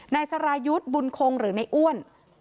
นายสรายุทธ์บุญคงหรือในอ้วน